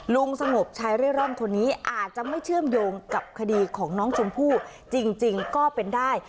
ลุงสงบชายเร่ร่อนคนนี้อาจจะไม่เชื่อมโยงกับคดีของน้องชมพู่จริงก็เป็นได้